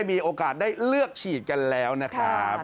มีโอกาสได้เลือกฉีดกันแล้วนะครับ